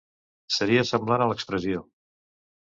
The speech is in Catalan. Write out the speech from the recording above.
Seria semblant a l'expressió: